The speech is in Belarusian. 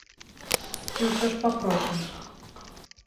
Ці ўсё ж папросім?